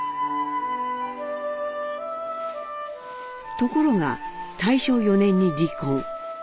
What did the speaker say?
ところが大正４年に離婚。